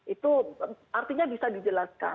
itu artinya bisa dijelaskan